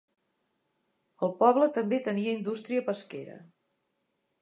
El poble també tenia indústria pesquera.